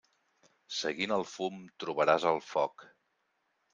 Seguint el fum trobaràs el foc.